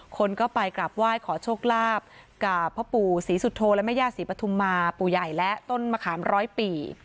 คนก็ไปกราบไหว้ขอโชคลาภกับพ่อปู่ศรีสุโธและแม่ย่าศรีปฐุมมาปู่ใหญ่และต้นมะขามร้อยปี